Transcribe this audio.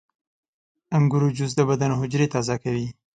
• د انګورو جوس د بدن حجرې تازه کوي.